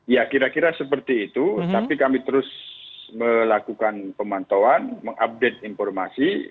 ya kira kira seperti itu tapi kami terus melakukan pemantauan mengupdate informasi